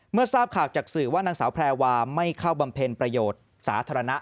เมื่อทราบข่าวจากสื่อว่านางสาวแพรวาไม่เข้าบำเพ็ญประโยชน์สาธารณะ